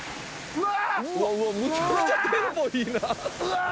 うわ！